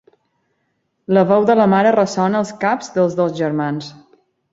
La veu de la mare ressona als caps dels dos germans.